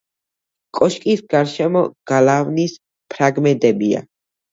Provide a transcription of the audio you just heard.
კოშკის გარშემო გალავნის ფრაგმენტებია.